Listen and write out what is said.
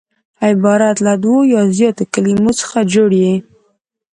عبارت له دوو یا زیاتو کليمو څخه جوړ يي.